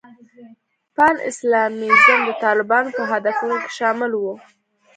پان اسلامیزم د طالبانو په هدفونو کې شامل و.